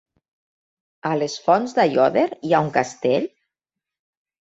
A les Fonts d'Aiòder hi ha un castell?